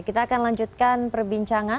kita akan lanjutkan perbincangan